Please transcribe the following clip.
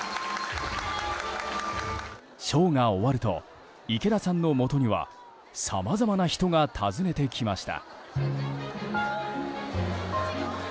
ショーが終わると池田さんのもとにはさまざまな人が訪ねてきました。